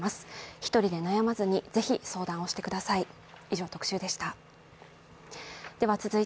一人で悩まずにぜひ相談をしてください。